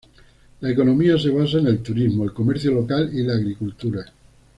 La economía se basa en el turismo, el comercio local y la agricultura.